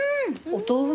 お豆腐